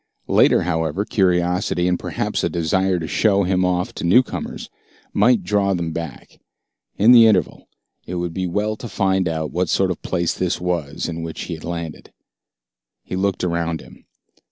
Later, however, curiosity and perhaps a desire to show him off to newcomers might draw them back. In the interval, it would be well to find out what sort of place this was in which he had landed. He looked around him.